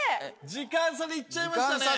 時間差でいっちゃいましたね。